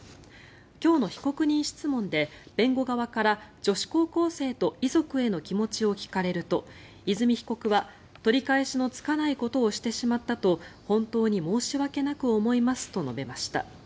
今日の被告人質問で弁護側から女子高校生と遺族への気持ちを聞かれると和美被告は取り返しのつかないことをしてしまったと本当に申し訳なく思いますと述べました。